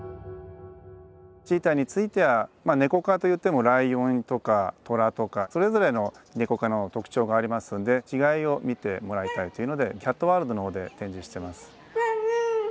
チーターについてはまあネコ科といってもライオンとかトラとかそれぞれのネコ科の特徴がありますので違いを見てもらいたいというのでキャットワールドのほうで展示してます。